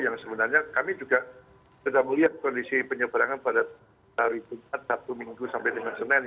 yang sebenarnya kami juga sudah melihat kondisi penyebrangan pada hari jumat sabtu minggu sampai dengan senin